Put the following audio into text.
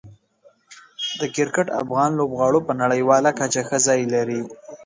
د کرکټ افغان لوبغاړو په نړیواله کچه ښه ځای لري.